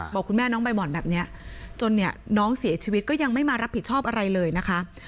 บอกคุณแม่น้องใบห่อนแบบนี้จนเนี่ยน้องเสียชีวิตก็ยังไม่มารับผิดชอบอะไรเลยนะคะ